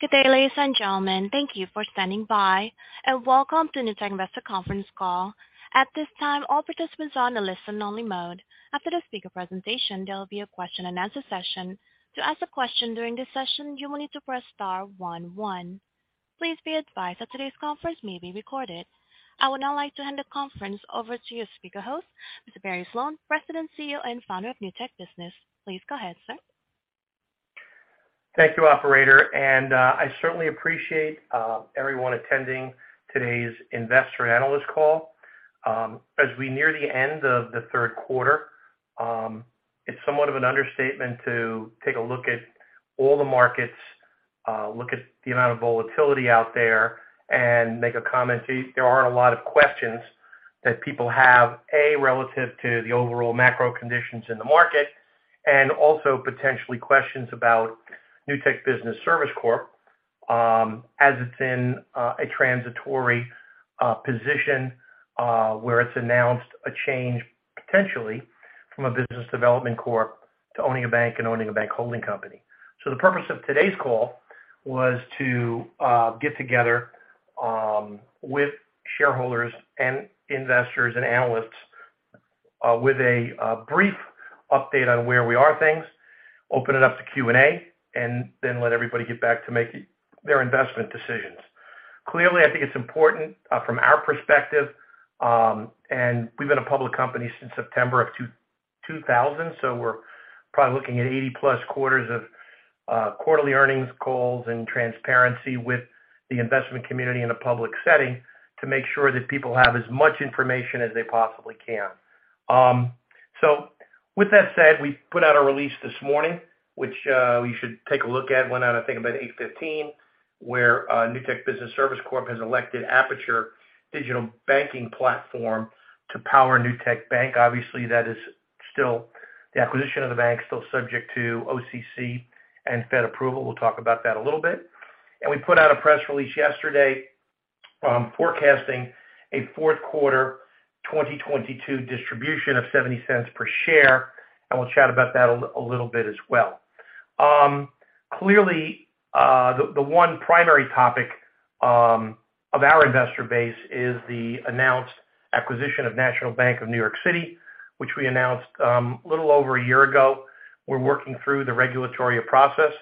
Good day, ladies and gentlemen. Thank you for standing by, and welcome to Newtek investor conference call. At this time, all participants are in a listen-only mode. After the speaker's presentation, there will be a question-and-answer session. To ask a question during this session, you will need to press star one one. Please be advised that today's conference may be recorded. I would now like to hand the conference over to your speaker host, Mr. Barry Sloane, President, CEO, and founder of Newtek Business. Please go ahead, sir. Thank you, operator. I certainly appreciate everyone attending today's investor analyst call. As we near the end of the third quarter, it's somewhat of an understatement to take a look at all the markets, look at the amount of volatility out there, and make a comment. There are a lot of questions that people have, A, relative to the overall macro conditions in the market, and also potentially questions about Newtek Business Services Corp, as it's in a transitory position, where it's announced a change potentially from a business development corp to owning a bank and owning a bank holding company. The purpose of today's call was to get together with shareholders, investors, and analysts with a brief update on where we are with things, open it up to Q&A, and then let everybody get back to making their investment decisions. Clearly, I think it's important from our perspective, and we've been a public company since September of 2002, so we're probably looking at 80+ quarters of quarterly earnings calls and transparency with the investment community in a public setting to make sure that people have as much information as they possibly can. With that said, we put out a release this morning, which you should take a look at. It went out, I think, about 8:15 A.M., where Newtek Business Services Corp. has elected the Apiture digital banking platform to power Newtek Bank. Obviously, that is still the acquisition of the bank, still subject to OCC and Fed approval. We'll talk about that a little bit. We put out a press release yesterday, forecasting a fourth quarter 2022 distribution of $0.70 per share. We'll chat about that a little bit as well. Clearly, the one primary topic of our investor base is the announced acquisition of National Bank of New York City, which we announced a little over a year ago. We're working through the regulatory process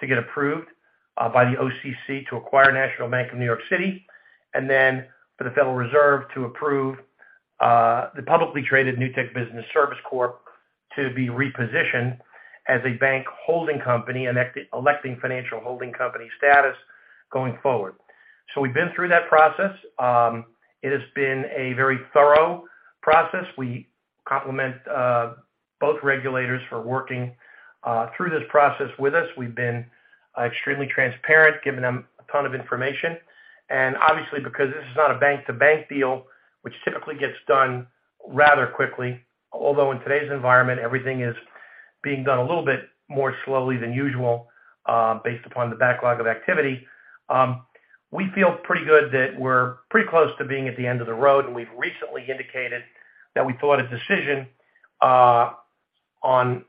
to get approved by the OCC to acquire National Bank of New York City and then for the Federal Reserve to approve the publicly traded Newtek Business Services Corp to be repositioned as a bank holding company and electing financial holding company status going forward. We've been through that process. It has been a very thorough process. We compliment both regulators for working through this process with us. We've been extremely transparent, giving them a ton of information. Obviously, because this is not a bank-to-bank deal, which typically gets done rather quickly. Although in today's environment, everything is being done a little bit more slowly than usual, based upon the backlog of activity. We feel pretty good that we're pretty close to being at the end of the road. We've recently indicated that we thought a decision on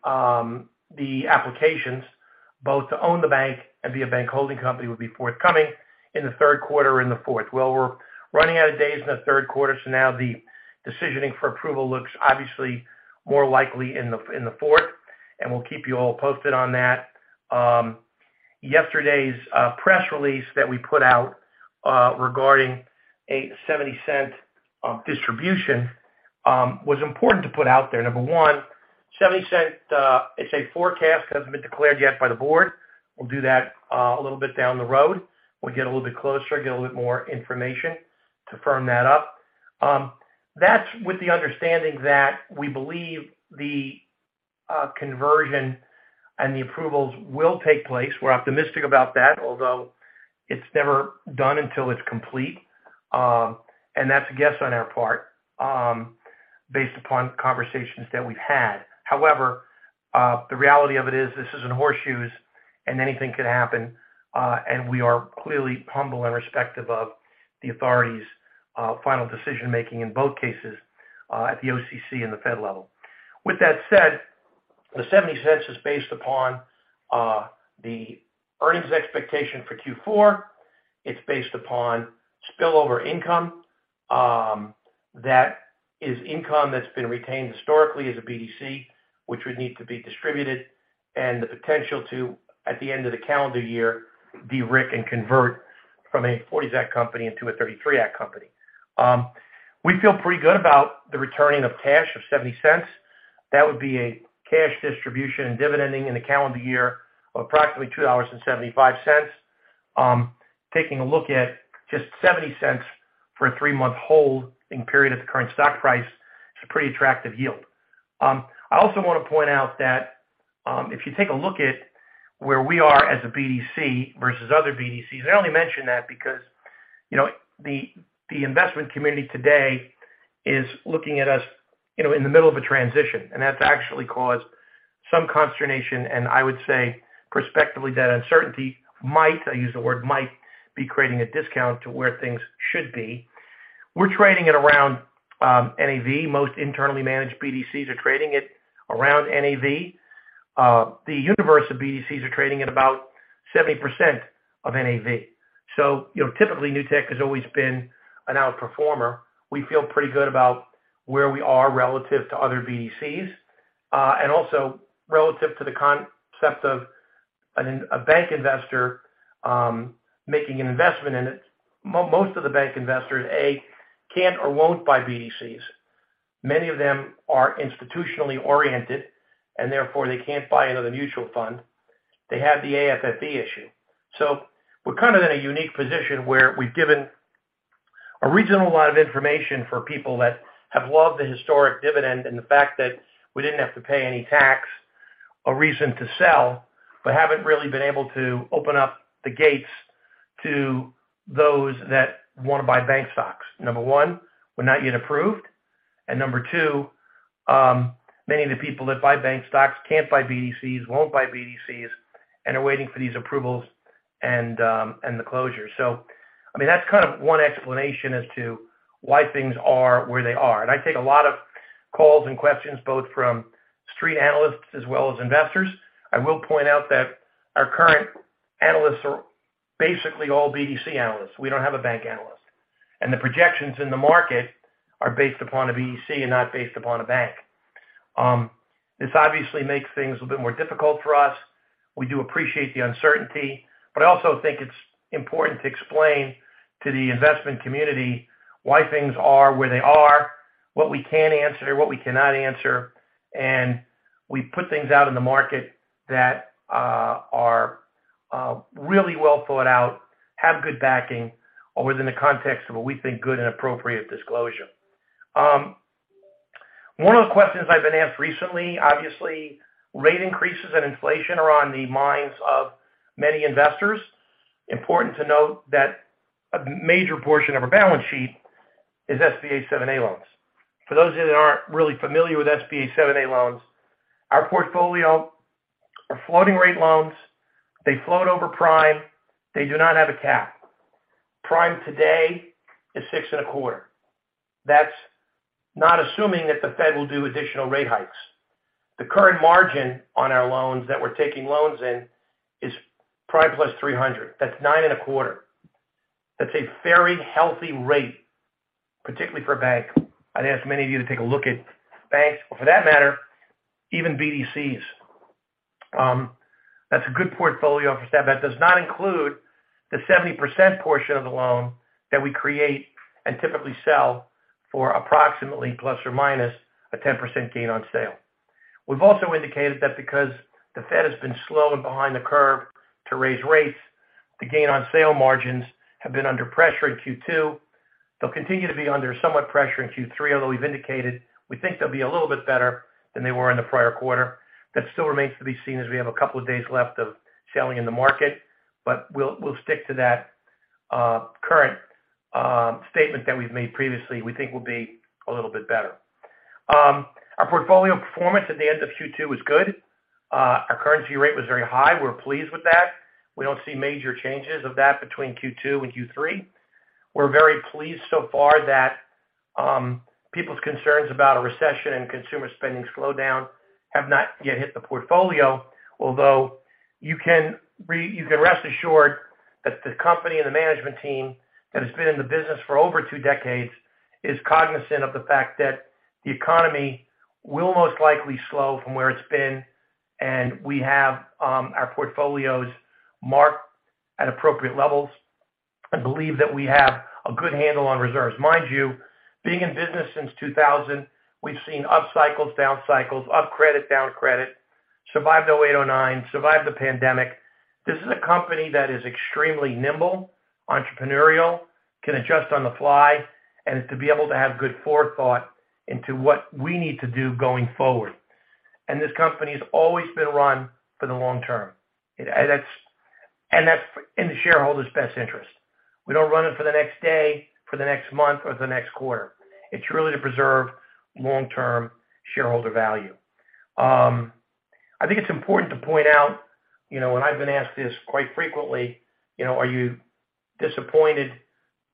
the applications both to own the bank and be a bank holding company, would be forthcoming in the third quarter or in the fourth. Well, we're running out of days in the third quarter, so now the decisioning for approval looks obviously more likely in the fourth, and we'll keep you all posted on that. Yesterday's press release that we put out regarding a $0.70 distribution was important to put out there. Number one, $0.70, it's a forecast, hasn't been declared yet by the board. We'll do that a little bit down the road. We'll get a little bit more information to firm that up. That's with the understanding that we believe the conversion and the approvals will take place. We're optimistic about that, although it's never done until it's complete. That's a guess on our part based upon conversations that we've had. However, the reality of it is this isn't horseshoes, and anything could happen, and we are clearly humble and respectful of the authorities, final decision-making in both cases, at the OCC and the Fed level. With that said, the $0.70 is based on the earnings expectation for Q4. It's based on spillover income. That is income that's been retained historically as a BDC, which would need to be distributed and the potential to, at the end of the calendar year, de-RIC and convert from a '40 Act company into a '33 Act company. We feel pretty good about the return of cash of $0.70. That would be a cash distribution and dividend in the calendar year of approximately $2.75. Taking a look at just $0.70 for a three-month holding period at the current stock price is a pretty attractive yield. I also want to point out that, if you take a look at where we are as a BDC versus other BDCs, I only mention that because, you know, the investment community today is looking at us, you know, in the middle of a transition, and that's actually caused some consternation. I would say perspectively that uncertainty might, I use the word might, be creating a discount to where things should be. We're trading at around NAV. Most internally managed BDCs are trading at around NAV. The universe of BDCs is trading at about 70% of NAV. You know, typically, Newtek has always been an outperformer. We feel pretty good about where we are relative to other BDCs, and also relative to the concept of a bank investor, making an investment in it. Most of the bank investors can't or won't buy BDCs. Many of them are institutionally oriented, and therefore, they can't buy another mutual fund. They have the AFFE issue. We're kind of in a unique position where we've given a reasonable amount of information for people that have loved the historic dividend and the fact that we didn't have to pay any tax, a reason to sell, but haven't really been able to open up the gates to those that wanna buy bank stocks. Number one, we're not yet approved. Number two, many of the people that buy bank stocks can't buy BDCs, won't buy BDCs, and are waiting for these approvals and the closure. I mean, that's kind of one explanation as to why things are where they are. I take a lot of calls and questions both from street analysts as well as investors. I will point out that our current analysts are basically all BDC analysts. We don't have a bank analyst. The projections in the market are based upon a BDC and not based upon a bank. This obviously makes things a bit more difficult for us. We do appreciate the uncertainty, but I also think it's important to explain to the investment community why things are where they are, what we can answer, what we cannot answer, and we put things out in the market that are really well thought out, have good backing or within the context of what we think good and appropriate disclosure. One of the questions I've been asked recently, obviously, rate increases and inflation are on the minds of many investors. Important to note that a major portion of our balance sheet is SBA 7(a) loans. For those that aren't really familiar with SBA 7(a) loans, our portfolio are floating rate loans. They float over prime. They do not have a cap. Prime today is 6.25%. That's not assuming that the Fed will do additional rate hikes. The current margin on our loans that we're taking loans in is prime plus 300. That's 9.25%. That's a very healthy rate, particularly for a bank. I'd ask many of you to take a look at banks, or for that matter, even BDCs. That's a good portfolio for that. That does not include the 70% portion of the loan that we create and typically sell for approximately plus or minus a 10% gain on sale. We've also indicated that because the Fed has been slow and behind the curve to raise rates, the gain on sale margins have been under pressure in Q2. They'll continue to be under somewhat pressure in Q3, although we've indicated we think they'll be a little bit better than they were in the prior quarter. That still remains to be seen as we have a couple of days left of selling in the market. We'll stick to that current statement that we've made previously, we think will be a little bit better. Our portfolio performance at the end of Q2 was good. Our current rate was very high. We're pleased with that. We don't see major changes of that between Q2 and Q3. We're very pleased so far that people's concerns about a recession and consumer spending slowdown have not yet hit the portfolio. Although you can rest assured that the company and the management team that has been in the business for over two decades is cognizant of the fact that the economy will most likely slow from where it's been, and we have our portfolios marked at appropriate levels and believe that we have a good handle on reserves. Mind you, being in business since 2000, we've seen up cycles, down cycles, up credit, down credit, survived 2008, 2009, survived the pandemic. This is a company that is extremely nimble, entrepreneurial, can adjust on the fly, and is to be able to have good forethought into what we need to do going forward. This company has always been run for the long term. That's in the shareholder's best interest. We don't run it for the next day, for the next month, or the next quarter. It's really to preserve long-term shareholder value. I think it's important to point out, you know, and I've been asked this quite frequently, you know, are you disappointed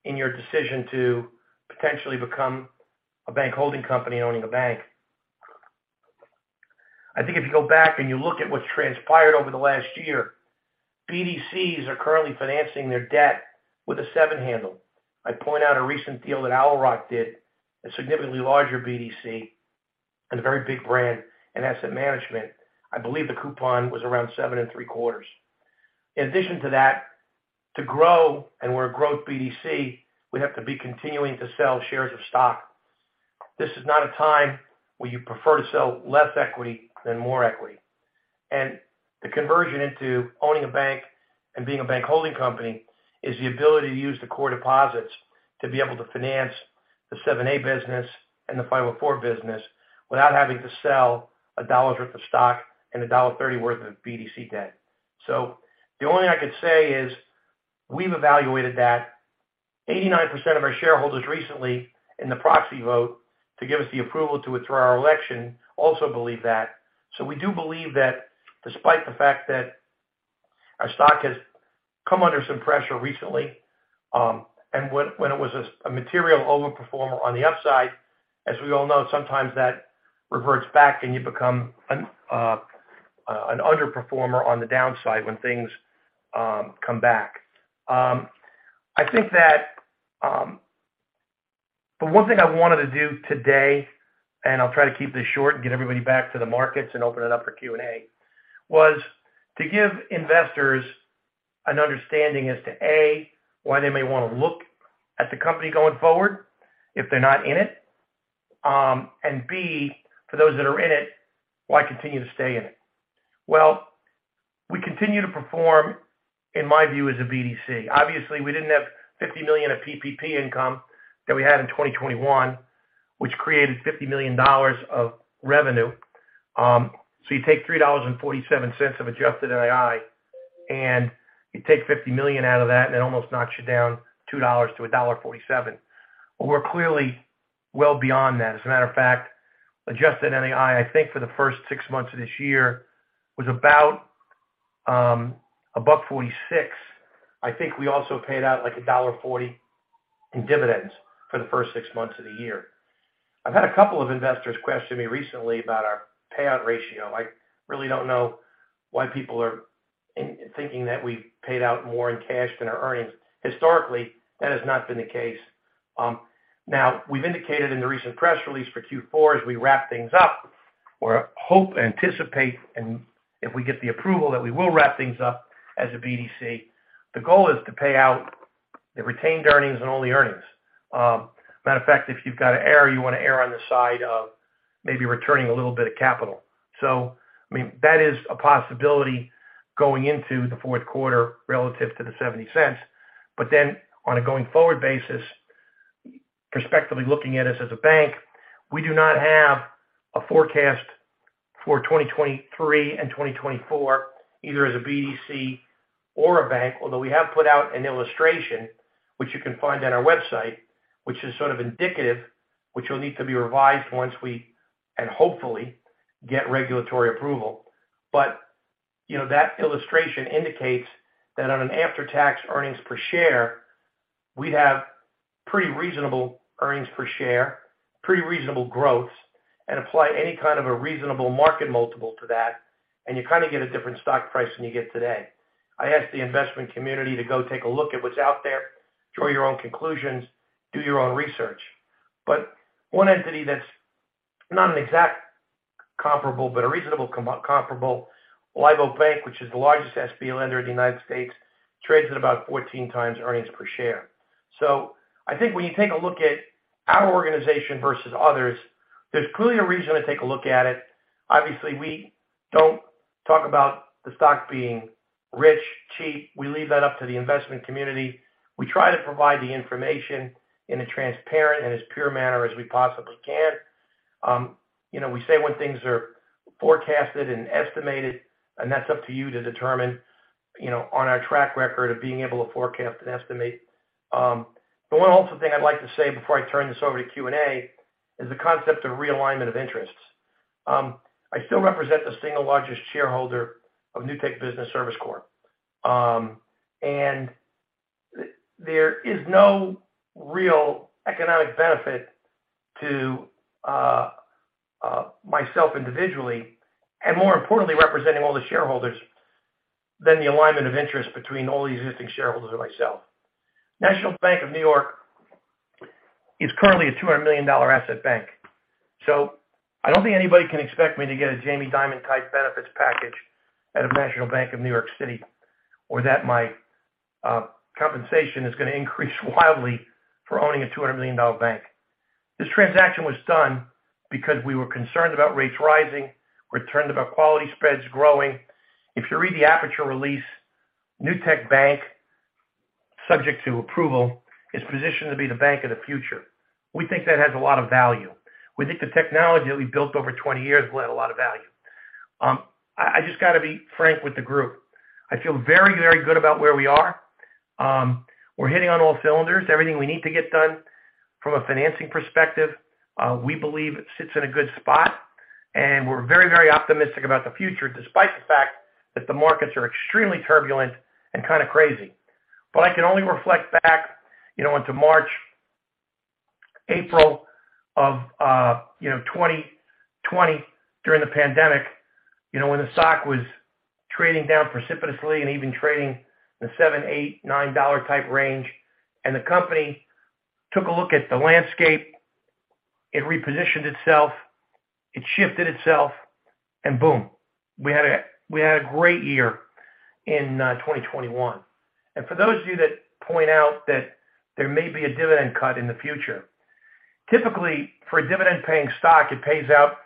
in your decision to potentially become a bank holding company owning a bank? I think if you go back and you look at what's transpired over the last year, BDCs are currently financing their debt with a seven handle. I point out a recent deal that Owl Rock did, a significantly larger BDC and a very big brand in asset management. I believe the coupon was around 7.75%. In addition to that, to grow and we're a growth BDC, we'd have to be continuing to sell shares of stock. This is not a time where you prefer to sell less equity than more equity. The conversion into owning a bank and being a bank holding company is the ability to use the core deposits to be able to finance the 7(a) business and the 504 business without having to sell a dollar's worth of stock and a $1.30 worth of BDC debt. The only thing I could say is we've evaluated that. 89% of our shareholders recently in the proxy vote to give us the approval to withdraw our election also believe that. We do believe that despite the fact that our stock has come under some pressure recently, and when it was a material overperformer on the upside, as we all know, sometimes that reverts back and you become an underperformer on the downside when things come back. I think that the one thing I wanted to do today, and I'll try to keep this short and get everybody back to the markets and open it up for Q&A, was to give investors an understanding as to A, why they may wanna look at the company going forward if they're not in it, and B, for those that are in it, why continue to stay in it? Well, we continue to perform, in my view, as a BDC. Obviously, we didn't have $50 million of PPP income that we had in 2021, which created $50 million of revenue. You take $3.47 of adjusted ANII, and you take $50 million out of that, and it almost knocks you down $2-$1.47. We're clearly well beyond that. As a matter of fact, adjusted ANII, I think, for the first six months of this year, was about $1.46. I think we also paid out, like, $1.40 in dividends for the first six months of the year. I've had a couple of investors question me recently about our payout ratio. I really don't know why people are in, thinking that we paid out more in cash than our earnings. Historically, that has not been the case. Now, we've indicated in the recent press release for Q4 as we wrap things up, or hope, anticipate, and if we get the approval, that we will wrap things up as a BDC. The goal is to pay out the retained earnings and all the earnings. Matter of fact, if you've got to err, you wanna err on the side of maybe returning a little bit of capital. I mean, that is a possibility going into the fourth quarter relative to the $0.70. On a going forward basis, prospectively looking at us as a bank, we do not have a forecast for 2023 and 2024, either as a BDC or a bank, although we have put out an illustration, which you can find on our website, which is sort of indicative, which will need to be revised once we, and hopefully, get regulatory approval. You know, that illustration indicates that on an after-tax earnings per share, we have pretty reasonable earnings per share, pretty reasonable growth, and apply any kind of a reasonable market multiple to that, and you kinda get a different stock price than you get today. I ask the investment community to go take a look at what's out there, draw your own conclusions, and do your own research. One entity that's not an exact comparable, but a reasonable comparable, Live Oak Bank, which is the largest SBA lender in the United States, trades at about 14 times earnings per share. I think when you take a look at our organization versus others, there's clearly a reason to take a look at it. Obviously, we don't talk about the stock being rich, cheap. We leave that up to the investment community. We try to provide the information in a transparent and as pure manner as we possibly can. You know, we say when things are forecasted and estimated, and that's up to you to determine, you know, on our track record of being able to forecast and estimate. The one ultimate thing I'd like to say before I turn this over to Q&A is the concept of realignment of interests. I still represent the single largest shareholder of Newtek Business Services Corp. There is no real economic benefit to myself individually, and more importantly, representing all the shareholders, than the alignment of interest between all the existing shareholders and me. National Bank of New York City is currently a $200 million asset bank. I don't think anybody can expect me to get a Jamie Dimon-type benefits package at a National Bank of New York City, or that my compensation is gonna increase wildly for owning a $200 million bank. This transaction was done because we were concerned about rates rising. We're concerned about quality spreads growing. If you read the Apiture release, Newtek Bank, subject to approval, is positioned to be the bank of the future. We think that has a lot of value. We think the technology that we have built over 20 years will add a lot of value. I just gotta be frank with the group. I feel very, very good about where we are. We're hitting on all cylinders. Everything we need to get done from a financing perspective, we believe it sits in a good spot, and we're very, very optimistic about the future, despite the fact that the markets are extremely turbulent and kinda crazy. I can only reflect back, you know, into March, April of, you know, 2020 during the pandemic, you know, when the stock was trading down precipitously and even trading in the $7-$9 type range. The company took a look at the landscape, it repositioned itself, it shifted itself, and boom, we had a great year in 2021. For those of you that point out that there may be a dividend cut in the future, typically, for a dividend-paying stock, it pays out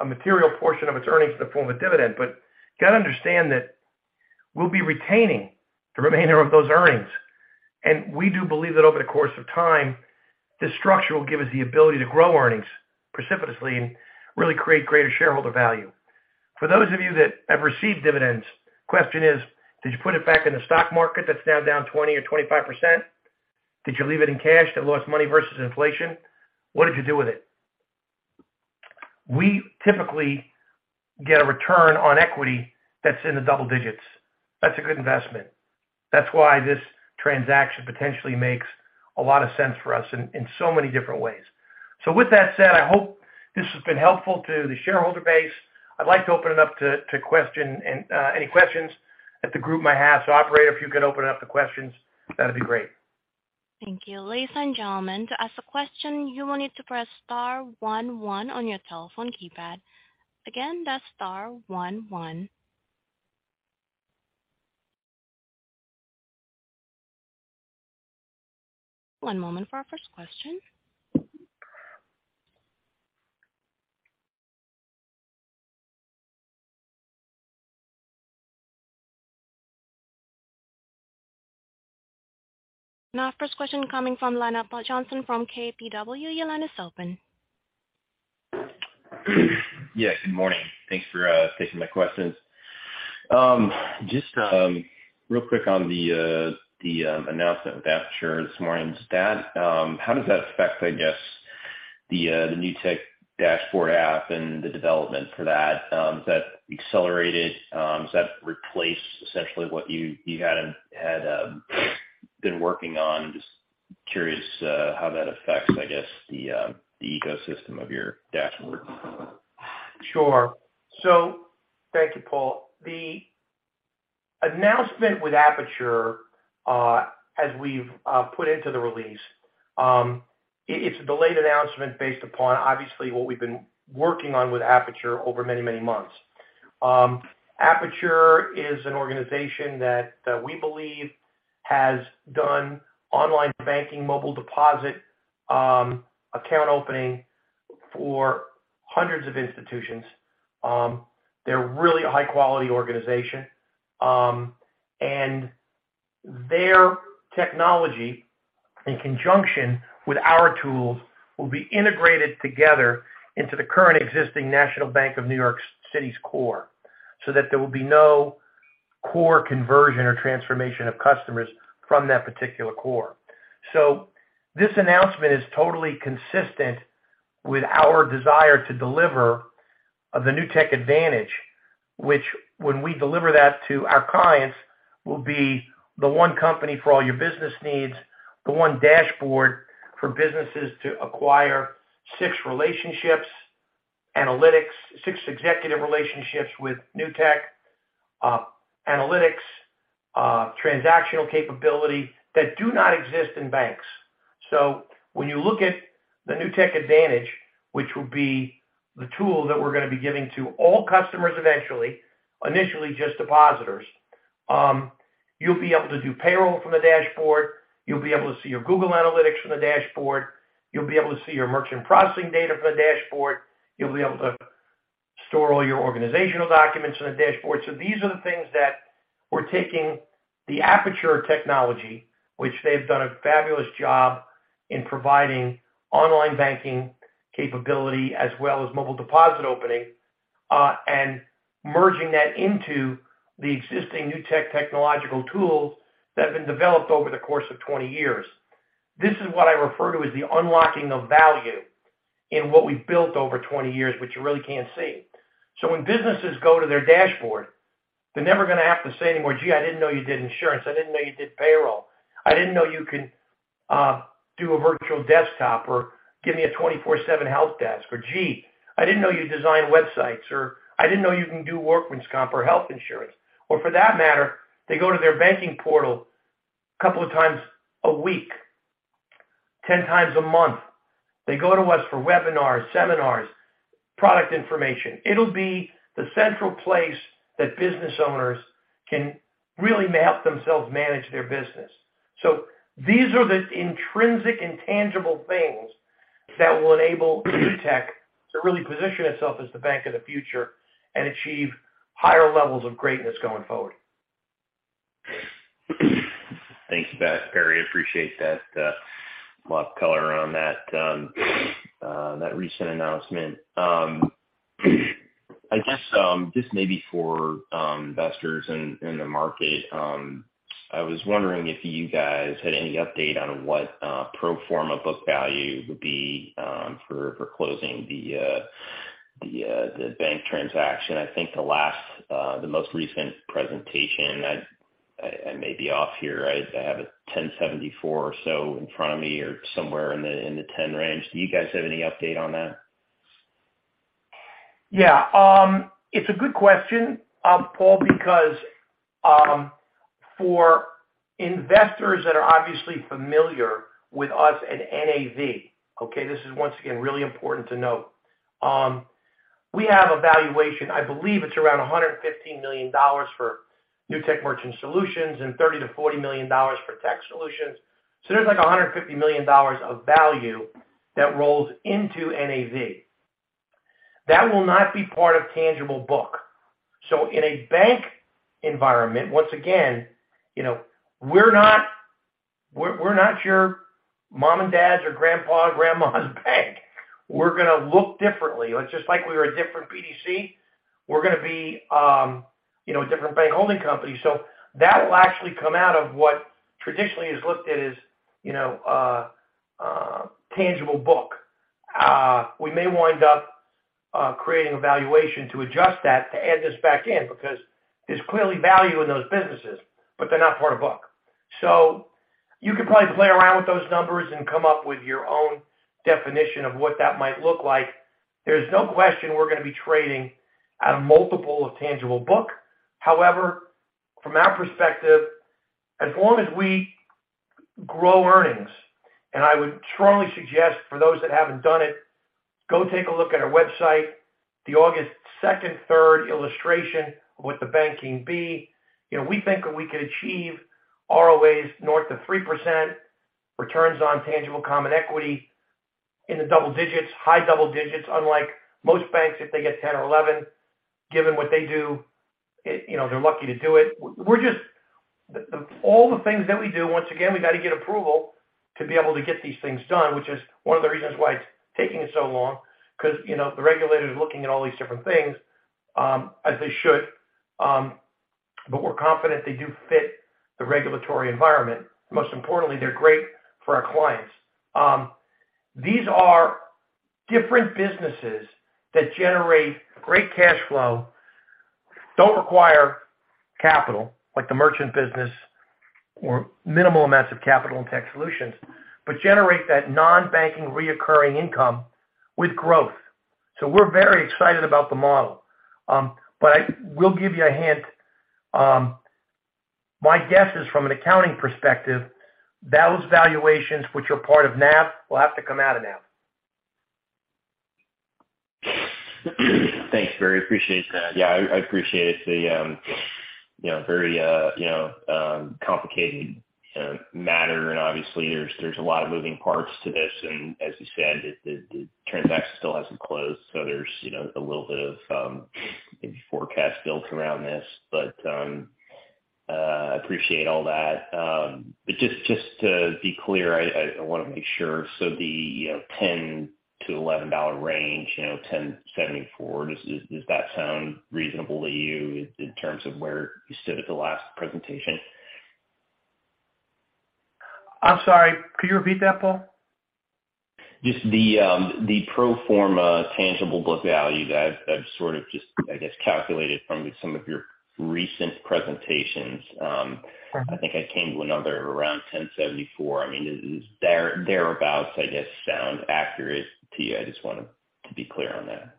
a material portion of its earnings in the form of a dividend. You gotta understand that we'll be retaining the remainder of those earnings. We do believe that over the course of time, this structure will give us the ability to grow earnings precipitously and really create greater shareholder value. For those of you that have received dividends, question is, did you put it back in the stock market that's now down 20 or 25%? Did you leave it in cash that lost money versus inflation? What did you do with it? We typically get a return on equity that's in the double digits. That's a good investment. That's why this transaction potentially makes a lot of sense for us in so many different ways. With that said, I hope this has been helpful to the shareholder base. I'd like to open it up to any questions that the group might have. Operator, if you could open up the questions, that'd be great. Thank you. Ladies and gentlemen, to ask a question, you will need to press star one one on your telephone keypad. Again, that's star one one. One moment for our first question. Now, first question coming from the line of Paul Johnson from KBW. Your line is open. Yes, good morning. Thanks for taking my questions. Just real quick on the announcement with Apiture this morning's statement. How does that affect, I guess, the Newtek dashboard app and the development for that? Is that accelerated? Does that replace essentially what you had been working on? Just curious how that affects, I guess, the ecosystem of your dashboard. Sure. Thank you, Paul. The announcement with Apiture, as we've put into the release, it's a delayed announcement based upon obviously what we've been working on with Apiture over many months. Apiture is an organization that we believe has done online banking, mobile deposit, account opening for hundreds of institutions. They're really a high quality organization. Their technology in conjunction with our tools will be integrated together into the current existing National Bank of New York City's core, so that there will be no core conversion or transformation of customers from that particular core. This announcement is totally consistent with our desire to deliver the Newtek Advantage, which when we deliver that to our clients, will be the one company for all your business needs, the one dashboard for businesses to acquire such relationships, analytics, such executive relationships with Newtek, analytics, transactional capability that do not exist in banks. When you look at the Newtek Advantage, which will be the tool that we're gonna be giving to all customers eventually, initially just depositors. You'll be able to do payroll from the dashboard. You'll be able to see your Google Analytics from the dashboard. You'll be able to see your merchant processing data from the dashboard. You'll be able to store all your organizational documents in the dashboard. These are the things that we're taking the Apiture technology, which they've done a fabulous job in providing online banking capability as well as mobile deposit opening, and merging that into the existing Newtek technological tools that have been developed over the course of 20 years. This is what I refer to as the unlocking of value in what we've built over 20 years, which you really can't see. When businesses go to their dashboard, they're never gonna have to say anymore, "Gee, I didn't know you did insurance. I didn't know you did payroll. I didn't know you could do a virtual desktop or give me a 24/7 help desk." Or, "Gee, I didn't know you design websites," or, "I didn't know you can do workman's comp or health insurance." Or for that matter, they go to their banking portal a couple of times a week, 10 times a month. They go to us for webinars, seminars, product information. It'll be the central place that business owners can really help themselves manage their business. These are the intrinsic and tangible things that will enable Newtek to really position itself as the bank of the future and achieve higher levels of greatness going forward. Thanks for that, Barry. Appreciate that, lot of color on that recent announcement. I guess just maybe for investors in the market, I was wondering if you guys had any update on what pro forma book value would be for closing the bank transaction. I think the last, the most recent presentation I may be off here, I have a 10.74 or so in front of me or somewhere in the 10 range. Do you guys have any update on that? Yeah. It's a good question, Paul, because for investors that are obviously familiar with us at NAV, okay, this is once again really important to note. We have a valuation, I believe it's around $115 million for Newtek Merchant Solutions and $30-$40 million for tech solutions. So there's like $150 million of value that rolls into NAV. That will not be part of tangible book. In a bank environment, once again, you know, we're not your mom and dad's or grandpa or grandma's bank. We're gonna look differently. It's just like we're a different BDC. We're gonna be, you know, a different bank holding company. So that will actually come out of what traditionally is looked at as, you know, a tangible book. We may wind up creating a valuation to adjust that to add this back in because there's clearly value in those businesses, but they're not part of book. So you could probably play around with those numbers and come up with your own definition of what that might look like. There's no question we're gonna be trading at a multiple of tangible book. However, from our perspective, as long as we grow earnings, and I would strongly suggest for those that haven't done it, go take a look at our website, the August second, third illustration with the banking BDC. You know, we think that we could achieve ROAs north of 3%, returns on tangible common equity in the double digits, high double digits. Unlike most banks, if they get 10 or 11, given what they do, it. You know, they're lucky to do it. All the things that we do, once again, we got to get approval to be able to get these things done, which is one of the reasons why it's taking so long because, you know, the regulator is looking at all these different things, as they should. We're confident they do fit the regulatory environment. Most importantly, they're great for our clients. These are different businesses that generate great cash flow, don't require capital like the merchant business or minimal amounts of capital in tech solutions, but generate that non-banking recurring income with growth. We're very excited about the model. I will give you a hint. My guess is from an accounting perspective, those valuations which are part of NAV will have to come out of NAV. Thanks, Barry. Appreciate that. Yeah, I appreciate it. You know, very complicated matter. Obviously, there's a lot of moving parts to this. As you said, the transaction still hasn't closed. There's, you know, a little bit of maybe forecast built around this. I appreciate all that. Just to be clear, I wanna make sure. You know, the $10-$11 range, you know, $10.74, does that sound reasonable to you in terms of where you stood at the last presentation? I'm sorry. Could you repeat that, Paul? Just the pro forma tangible book value that I've sort of just, I guess, calculated from some of your recent presentations. I think I came to a number around $10.74. I mean, is thereabouts, I guess, sounds accurate to you? I just wanted to be clear on that.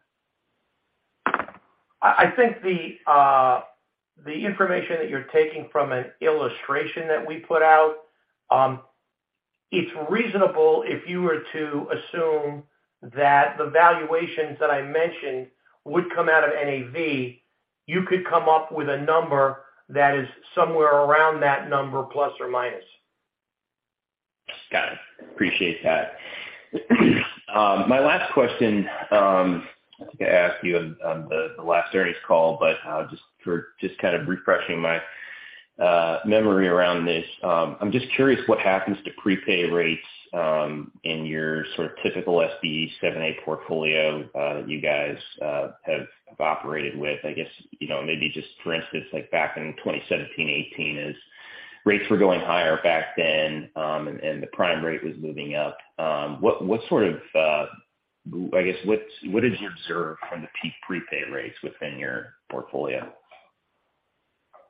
I think the information that you're taking from an illustration that we put out is reasonable if you were to assume that the valuations that I mentioned would come out of NAV. You could come up with a number that is somewhere around that number plus, or minus. Got it. Appreciate that. My last question, I think I asked you on the last earnings call, but just kind of refreshing my memory around this. I'm just curious what happens to prepay rates in your sort of typical SBA 7(a) portfolio that you guys have operated with. I guess, you know, maybe just for instance, like back in 2017, 2018, as rates were going higher back then, and the prime rate was moving up. What sort of, I guess, what did you observe from the peak prepay rates within your portfolio?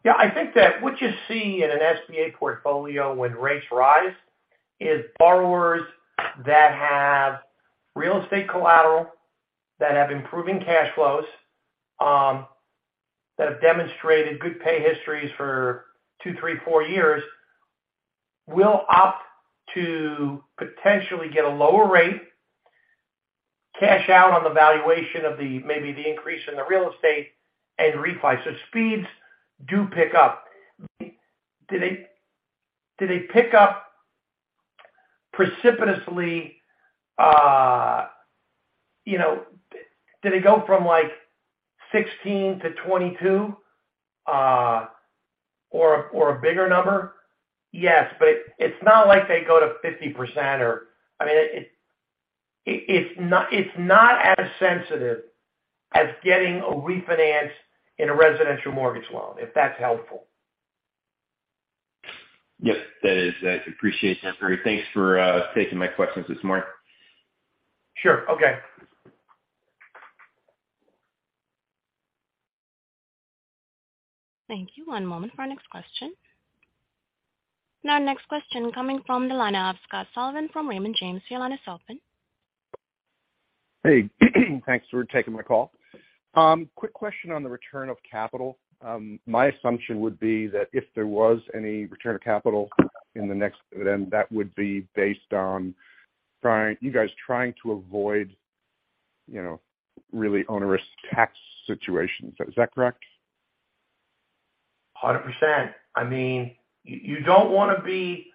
Yeah, I think that what you see in an SBA portfolio when rates rise is borrowers that have real estate collateral, that have improving cash flows, that have demonstrated good pay histories for two, three, four years, will opt to potentially get a lower rate, cash out on the valuation of maybe the increase in the real estate, and refi. Speeds do pick up. Do they pick up precipitously? Do they go from like 16%-22%, or a bigger number? Yes, but it's not like they go to 50%, or it's not as sensitive as getting a refinance in a residential mortgage loan, if that's helpful. Yes. That is. I appreciate that, Barry. Thanks for taking my questions this morning. Sure. Okay. Thank you. One moment for our next question. Now next question coming from the line of Scott Sullivan from Raymond James. Your line is open. Hey. Thanks for taking my call. Quick question on the return of capital. My assumption would be that if there was any return of capital in the next dividend, that would be based on you guys trying to avoid, you know, really onerous tax situations. Is that correct? 100%. I mean, you don't wanna be,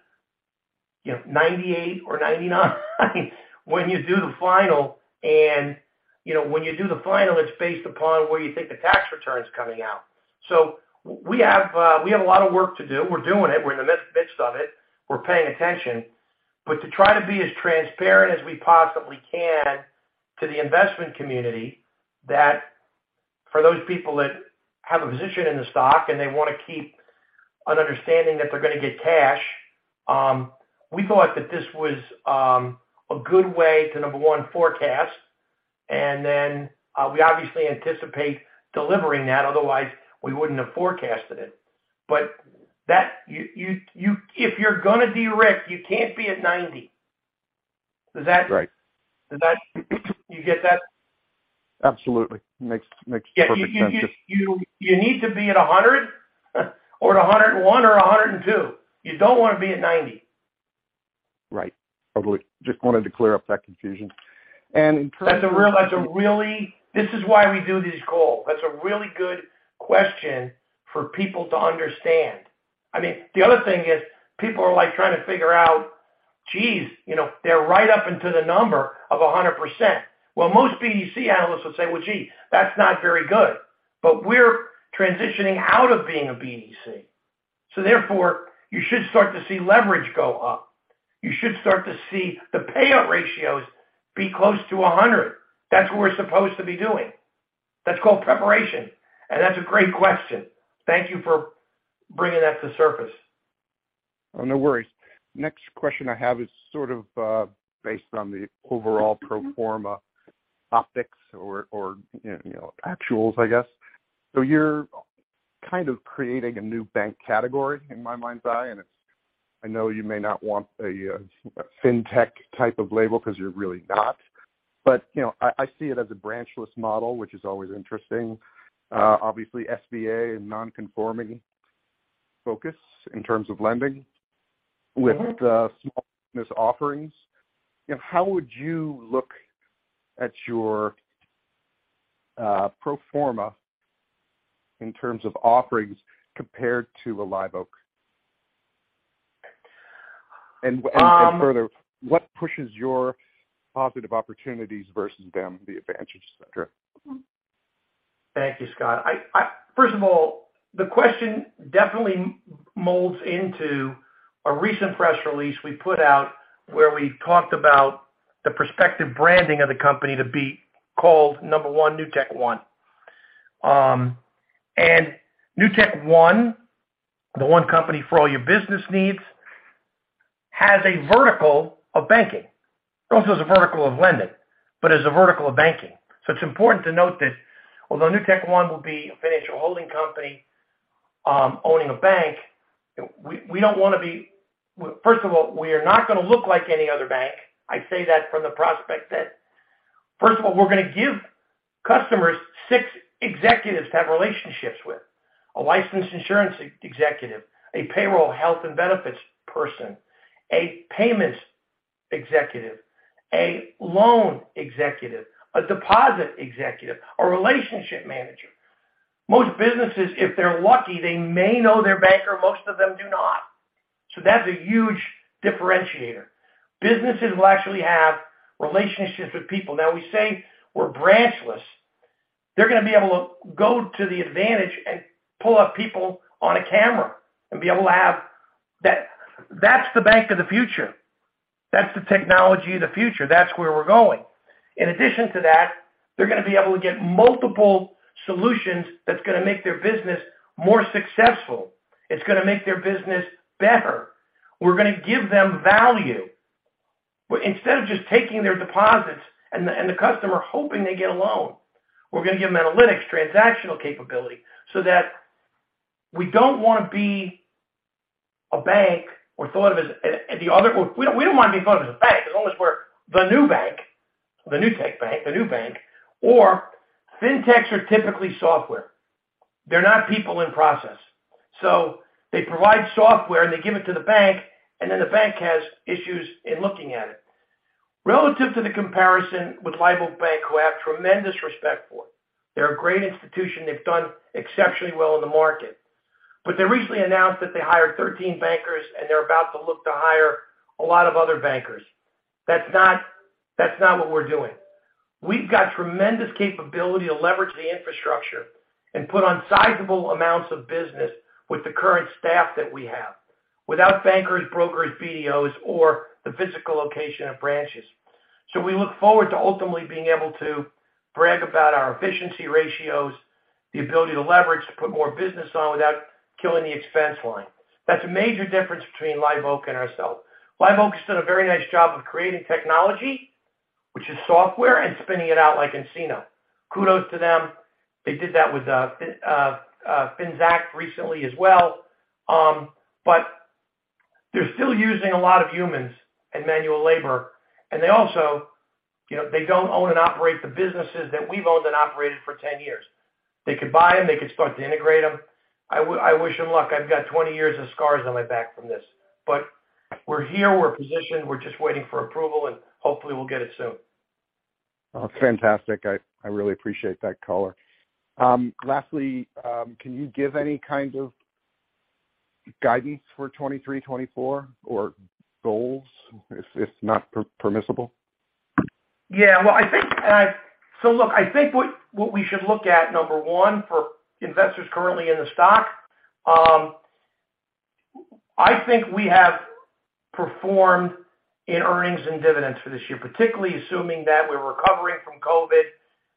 you know, 98 or 99 when you do the final. You know, when you do the final, it's based upon where you think the tax return's coming out. We have a lot of work to do. We're doing it. We're in the midst of it. We're paying attention. To try to be as transparent as we possibly can to the investment community, that for those people that have a position in the stock and they wanna keep an understanding that they're gonna get cash, we thought that this was a good way to, number one, forecast. Then we obviously anticipate delivering that; otherwise, we wouldn't have forecasted it. If you're gonna de-risk, you can't be at 90. Does that- Right. Does that? You get that? Absolutely. Makes perfect sense. Yeah. You need to be at 100% or at 101% or 102%. You don't wanna be at 90%. Right. Totally. Just wanted to clear up that confusion. In terms of- This is why we do these calls. That's a really good question for people to understand. I mean, the other thing is people are, like, trying to figure out, geez, you know, they're right up into the number of 100%. Well, most BDC analysts will say, "Well, gee, that's not very good." We're transitioning out of being a BDC, so therefore you should start to see leverage go up. You should start to see the payout ratios be close to 100. That's what we're supposed to be doing. That's called preparation. That's a great question. Thank you for bringing that to the surface. Oh, no worries. Next question I have is sort of based on the overall pro forma optics or, you know, actuals, I guess. You're kind of creating a new bank category in my mind's eye, and it's. I know you may not want a fintech type of label because you're really not. You know, I see it as a branchless model, which is always interesting. Obviously SBA and non-conforming focus in terms of lending with the small business offerings. How would you look at your pro forma in terms of offerings compared to a Live Oak? Um- Further, what pushes your positive opportunities versus them, the advantages, et cetera? Thank you, Scott. First of all, the question definitely melds into a recent press release we put out where we talked about the prospective branding of the company to be called, number one, NewtekOne. NewtekOne, the one company for all your business needs, has a vertical of banking. It also has a vertical of lending, but as a vertical of banking. It's important to note that although NewtekOne will be a financial holding company, owning a bank, we don't wanna be. First of all, we are not gonna look like any other bank. I say that from the perspective that, first of all, we're gonna give customers six executives to have relationships with. A licensed insurance executive, a payroll health and benefits person, a payments executive, a loan executive, a deposit executive, and a relationship manager. Most businesses, if they're lucky, may know their banker. Most of them do not. That's a huge differentiator. Businesses will actually have relationships with people. We say we're branchless. They're gonna be able to go to the advantage and pull up people on a camera and be able to have that's the bank of the future. That's the technology of the future. That's where we're going. In addition to that, they're gonna be able to get multiple solutions that're gonna make their business more successful. It's gonna make their business better. We're gonna give them value. Instead of just taking their deposits and the customer hoping they get a loan, we're gonna give them analytics, transactional capability, so that we don't wanna be a bank or thought of as the other. We don't wanna be thought of as a bank. As long as we're the new bank, the Newtek Bank, the new bank. Fintechs are typically software. They're not people in process. They provide software, and they give it to the bank, and then the bank has issues in looking at it. Relative to the comparison with Live Oak Bank, who I have tremendous respect for, they're a great institution. They've done exceptionally well in the market. They recently announced that they hired 13 bankers, and they're about to look to hire a lot of other bankers. That's not what we're doing. We've got tremendous capability to leverage the infrastructure and put on sizable amounts of business with the current staff that we have, without bankers, brokers, BDOs, or the physical location of branches. We look forward to ultimately being able to brag about our efficiency ratios, the ability to leverage, to put more business on without killing the expense line. That's a major difference between Live Oak and ourselves. Live Oak's done a very nice job of creating technology, which is software, and spinning it out like nCino. Kudos to them. They did that with Finxact recently as well. But they're still using a lot of humans and manual labor, and they also, you know, they don't own and operate the businesses that we've owned and operated for 10 years. They could buy them. They could start to integrate them. I wish them luck. I've got 20 years of scars on my back from this. We're here, we're positioned, we're just waiting for approval, and hopefully we'll get it soon. Oh, fantastic. I really appreciate that color. Lastly, can you give any kind of guidance for 2023, 2024 or goals, if not permissible? Yeah. Well, I think, look, I think what we should look at, number one, for investors currently in the stock, I think we have performed in earnings and dividends for this year, particularly assuming that we're recovering from COVID.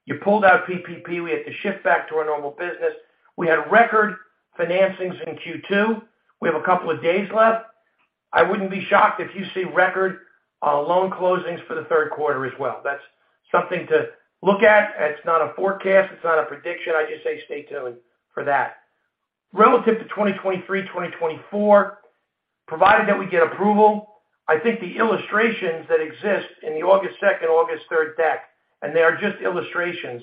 You pulled out PPP. We had to shift back to our normal business. We had record financings in Q2. We have a couple of days left. I wouldn't be shocked if you see record loan closings for the third quarter as well. That's something to look at. It's not a forecast. It's not a prediction. I just say stay tuned for that. Relative to 2023, 2024, provided that we get approval, I think the illustrations that exist in the August 2, August 3 deck, and they are just illustrations,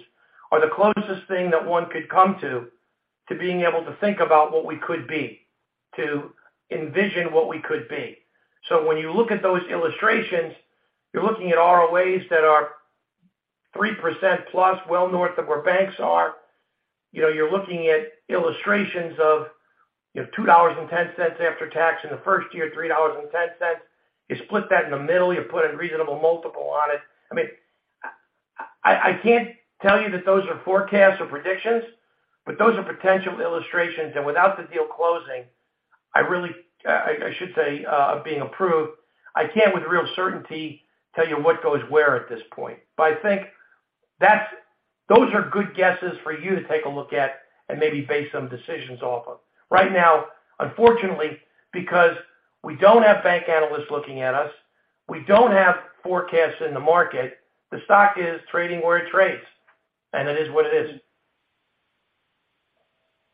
are the closest thing that one could come to being able to think about what we could be, to envision what we could be. When you look at those illustrations, you're looking at ROAs that are 3% plus, well north of where banks are. You know, you're looking at illustrations of, you know, $2.10 after tax in the first year, $3.10. You split that in the middle, you put a reasonable multiple on it. I mean, I can't tell you that those are forecasts or predictions, but those are potential illustrations. Without the deal closing, I should say, being approved, I can't with real certainty tell you what goes where at this point. I think those are good guesses for you to take a look at and maybe base some decisions off of. Right now, unfortunately, because we don't have bank analysts looking at us, we don't have forecasts in the market. The stock is trading where it trades, and it is what it is.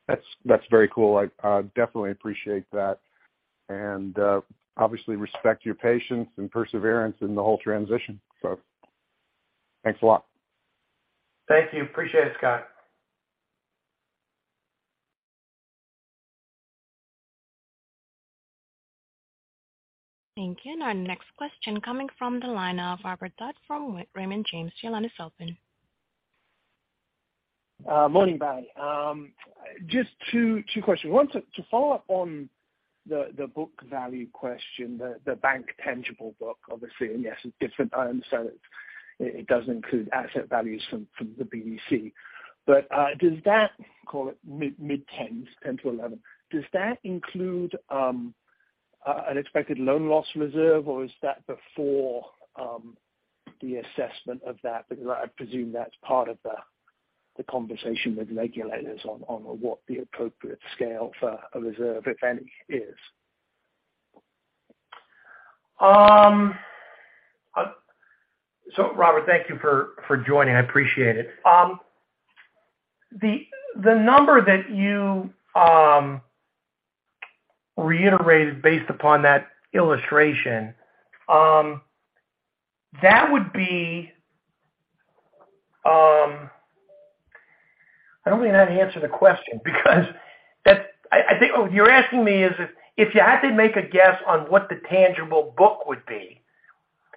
That's very cool. I definitely appreciate that and obviously respect your patience and perseverance in the whole transition. Thanks a lot. Thank you. Appreciate it, Scott. Thank you. Our next question comes from the line of Robert Dodd from Raymond James. Your line is open. Morning, Barry. Just two questions. One, to follow up on the book value question, the bank tangible book, obviously, and yes, it's different. I understand it does include asset values from the BDC. Does that call it mid-tens, 10-11? Does that include an expected loan loss reserve, or is that before the assessment of that? Because I presume that's part of the conversation with regulators on what the appropriate scale for a reserve, if any, is. Robert, thank you for joining. I appreciate it. The number that you reiterated based upon that illustration, that would be. I don't even know how to answer the question because that's. I think what you're asking me is if you had to make a guess on what the tangible book would be,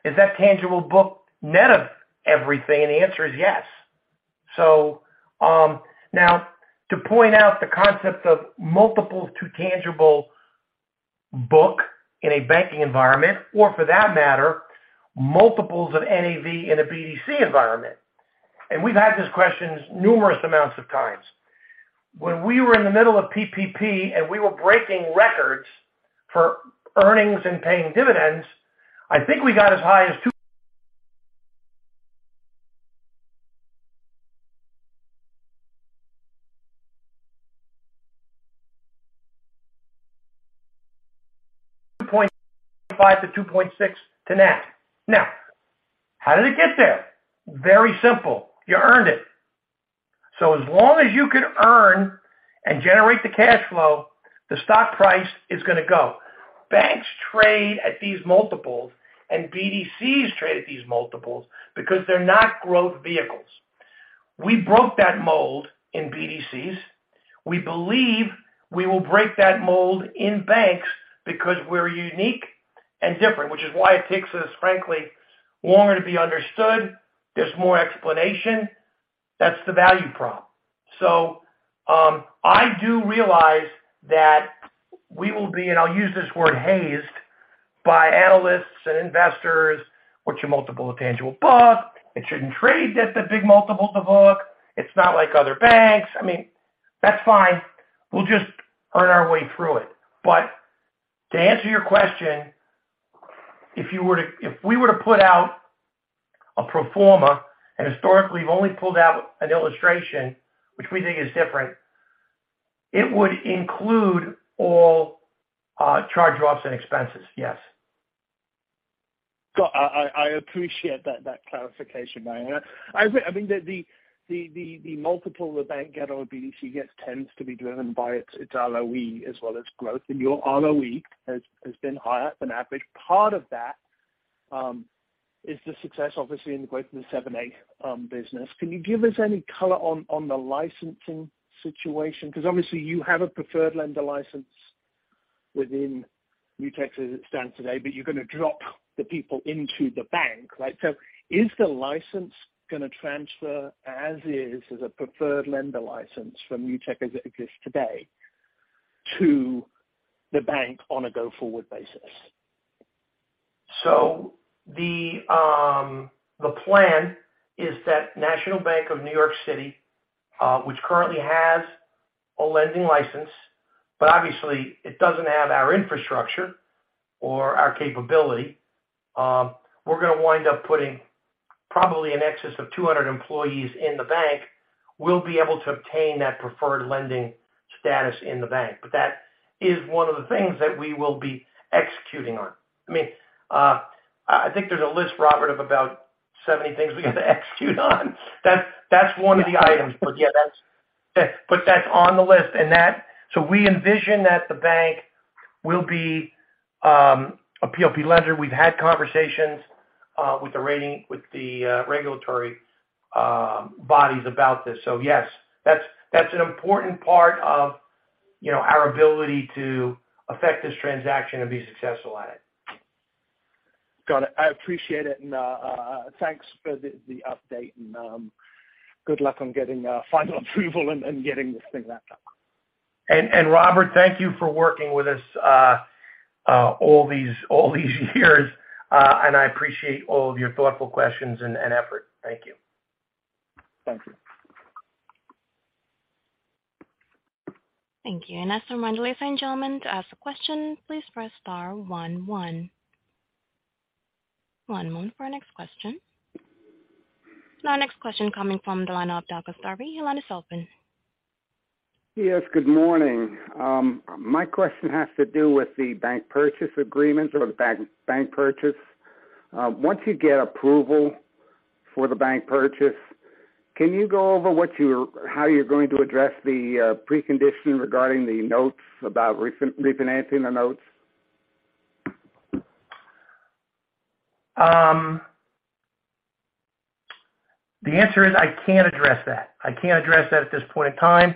is that tangible book net of everything? And the answer is yes. Now to point out the concept of multiples to tangible book in a banking environment, or for that matter, multiples of NAV in a BDC environment, and we've had these questions numerous amounts of times. When we were in the middle of PPP, and we were breaking records for earnings and paying dividends, I think we got as high as 2.5x-2.6x to net. Now, how did it get there? Very simple. You earned it. As long as you can earn and generate the cash flow, the stock price is gonna go. Banks trade at these multiples, and BDCs trade at these multiples because they're not growth vehicles. We broke that mold in BDCs. We believe we will break that mold in banks because we're unique and different, which is why it takes us, frankly, longer to be understood. There's more explanation. That's the value prop. I do realize that we will be, and I'll use this word, hazed by analysts and investors. What's your multiple of tangible book? It shouldn't trade at the big multiples of book. It's not like other banks. I mean, that's fine. We'll just earn our way through it. To answer your question, if we were to put out a pro forma, and historically we've only pulled out an illustration, which we think is different, it would include all charge-offs and expenses. Yes. Got it. I appreciate that clarification, Barry. I think that the multiple the bank get or BDC gets tends to be driven by its ROE as well as growth. Your ROE has been higher than average. Part of that is the success, obviously, in the growth of the SBA 7(a) business. Can you give us any color on the licensing situation? Because obviously you have a preferred lender license within Newtek as it stands today, but you're gonna drop the people into the bank, right? Is the license gonna transfer as is as a preferred lender license from Newtek as it exists today? To the bank on a go forward basis. The plan is that National Bank of New York City, which currently has a lending license, but obviously it doesn't have our infrastructure or our capability, we're gonna wind up putting probably in excess of 200 employees in the bank. We'll be able to obtain that preferred lending status in the bank. That is one of the things that we will be executing on. I mean, I think there's a list, Robert, of about 70 things we have to execute on. That's one of the items. Yeah, that's on the list. We envision that the bank will be a PLP lender. We've had conversations with the regulatory bodies about this. Yes, that's an important part of, you know, our ability to affect this transaction and be successful at it. Got it. I appreciate it and thanks for the update and good luck on getting final approval and getting this thing wrapped up. Robert, thank you for working with us all these years. I appreciate all of your thoughtful questions and effort. Thank you. Thank you. Thank you. As a reminder, ladies and gentlemen, to ask a question, please press star one one. One moment for our next question. Our next question coming from the line of Doug Astarbee. Your line is open. Yes, good morning. My question has to do with the bank purchase agreement or the bank purchase. Once you get approval for the bank purchase, can you go over how you're going to address the precondition regarding the notes about refinancing the notes? The answer is I can't address that. I can't address that at this point in time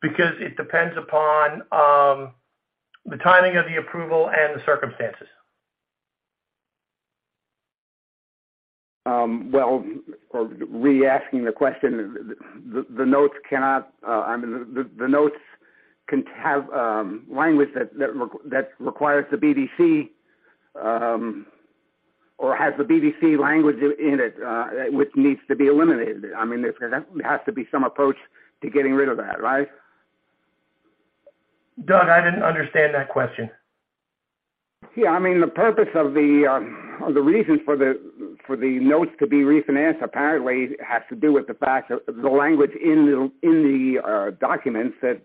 because it depends upon the timing of the approval and the circumstances. Well, or re-asking the question, the notes can have language that requires the BDC or has the BDC language in it, which needs to be eliminated. I mean, there has to be some approach to getting rid of that, right? Doug, I didn't understand that question. Yeah, I mean, the reasons for the notes to be refinanced apparently has to do with the fact that the language in the documents that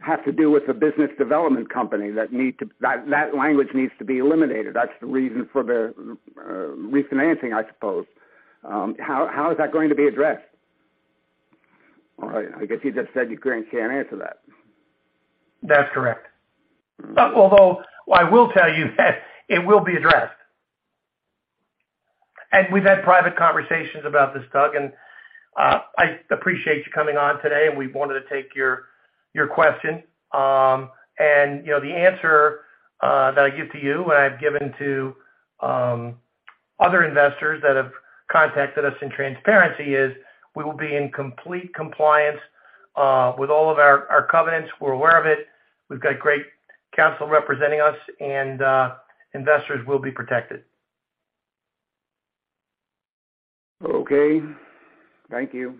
have to do with the business development company needs to be eliminated. That's the reason for the refinancing, I suppose. How is that going to be addressed? All right. I guess you just said you can't answer that. That's correct. Although I will tell you that it will be addressed. We've had private conversations about this, Doug, and I appreciate you coming on today, and we wanted to take your question. You know, the answer that I give to you and I've given to other investors that have contacted us in transparency is we will be in complete compliance with all of our covenants. We're aware of it. We've got great counsel representing us, and investors will be protected. Okay. Thank you.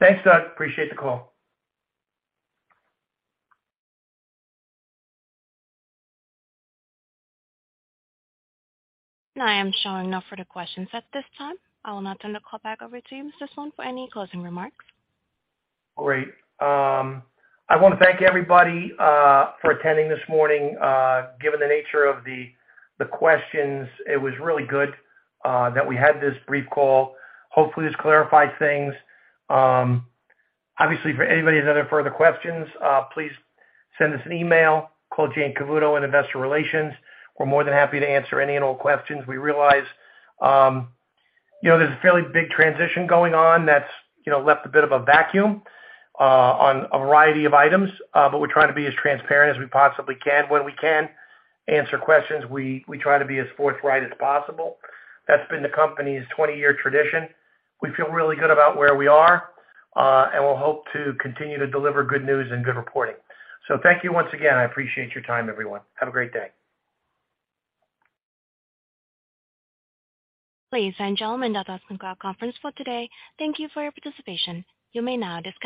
Thanks, Doug. Appreciate the call. I am showing no further questions at this time. I will now turn the call back over to you, Mr. Sloane, for any closing remarks. Great. I wanna thank everybody for attending this morning. Given the nature of the questions, it was really good that we had this brief call. Hopefully, this clarified things. Obviously, for anybody who has other further questions, please send us an email or call Jayne Cavuoto in Investor Relations. We're more than happy to answer any and all questions. We realize, you know, there's a fairly big transition going on that's, you know, left a bit of a vacuum on a variety of items, but we're trying to be as transparent as we possibly can. When we can answer questions, we try to be as forthright as possible. That's been the company's twenty-year tradition. We feel really good about where we are, and we'll hope to continue to deliver good news and good reporting. Thank you once again. I appreciate your time, everyone. Have a great day. Ladies and gentlemen, that does conclude conference for today. Thank you for your participation. You may now disconnect.